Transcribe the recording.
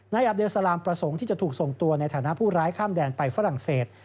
อับเดลสลามประสงค์ที่จะถูกส่งตัวในฐานะผู้ร้ายข้ามแดนไปฝรั่งเศส